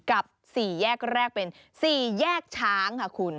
กับ๔แยกแรกเป็น๔แยกช้างค่ะคุณ